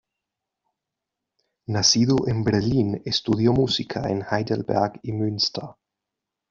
Nacido en Berlín, estudió música en Heidelberg y Münster.